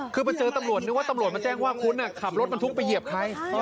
คือมาเจอตำรวจนึกว่าตำรวจมาแจ้งว่าคุณขับรถบรรทุกไปเหยียบใคร